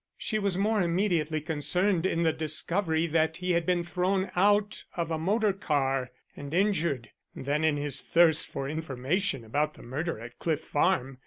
She was more immediately concerned in the discovery that he had been thrown out of a motor car and injured than in his thirst for information about the murder at Cliff Farm.